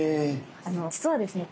実はですね